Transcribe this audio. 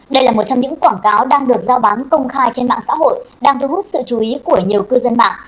đây là một trong những quảng cáo đang được giao bán công khai trên mạng xã hội đang thu hút sự chú ý của nhiều cư dân mạng